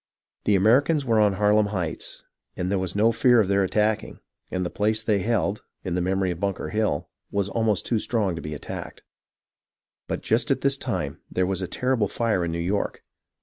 The Ameri cans were on Harlem Heights, and there was no fear of their attacking ; and the place they held, in the memory of Bunker Hill, was almost too strong to be attacked. But just at this time there was a terrible fire in New York.